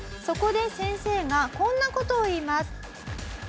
そこで先生がこんな事を言います。